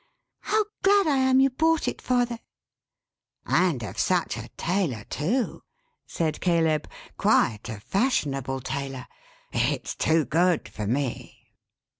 "How glad I am you bought it, father!" "And of such a tailor, too," said Caleb. "Quite a fashionable tailor. It's too good for me."